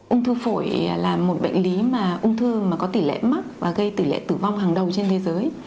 ung thư phổi là một bệnh lý mà ung thư có tỷ lệ mắc và gây tỷ lệ tử vong hàng đầu trên thế giới